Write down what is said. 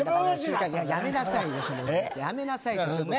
やめなさい。